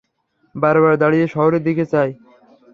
বারবার দাঁড়িয়ে শহরের দিকে চায়।